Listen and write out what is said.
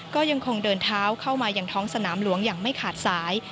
ก็ยังคงเดินเท้าเข้ามายังท้องสนามหลวงอย่างไม่ขาดสาย